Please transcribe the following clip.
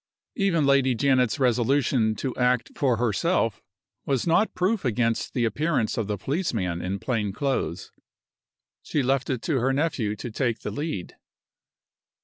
Even Lady Janet's resolution to act for herself was not proof against the appearance of the policeman in plain clothes. She left it to her nephew to take the lead.